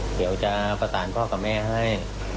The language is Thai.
เดี๋ยวจะประสานพ่อกับแม่ให้